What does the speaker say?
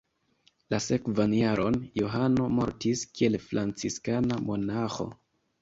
La sekvan jaron Johano mortis kiel franciskana monaĥo.